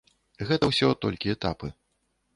Гэта ўсё толькі этапы.